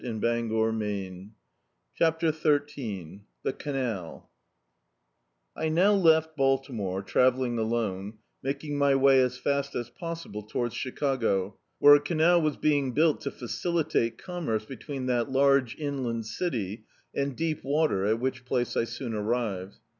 db, Google CHAPTER XIII THE CANAL 1N0W left Baltimore, travelling alone, making my way as fast as possible towards Chicago, where a canal was being built to facilitate commerce between that large inland city, and deep water, at which place I soon arrived.